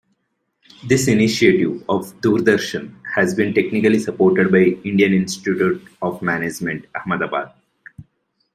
This initiative of Doordarshan has been technically supported by Indian Institute of Management, Ahmedabad.